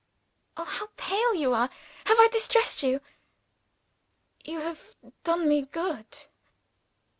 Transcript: Oh, how pale you are! Have I distressed you?" "You have done me good."